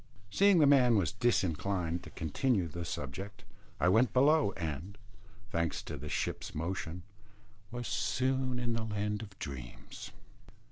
Seeing the man was disinclined to continue the subject, I went below, and, thanks to the ship's motion, was soon in the land of dreams.